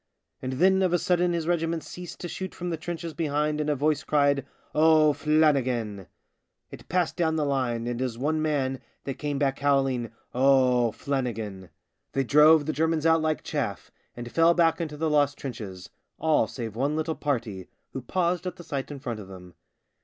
And then of a sudden his regiment ceased to shoot from the trenches behind and a voice cried, " O'Flannigan.' ' It passed down the line, and, as one man, they came back howling, " O'Flannigan." They drove the 86 THE SIXTH DRUNK Germans out like chaff and fell back into the lost trenches — all save one little party, who paused at the sight in front of them.